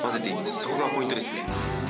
そこがポイントですね。